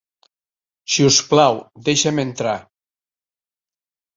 Si us plau, deixa'm entrar.